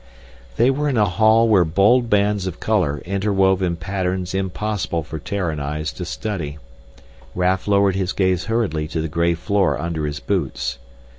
They were in a hall where bold bands of color interwove in patterns impossible for Terran eyes to study. Raf lowered his gaze hurriedly to the gray floor under his boots.